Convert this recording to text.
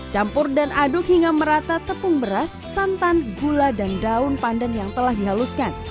campur dan aduk hingga merata tepung beras santan gula dan daun pandan yang telah dihaluskan